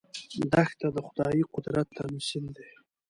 دښته د خدايي قدرت تمثیل دی.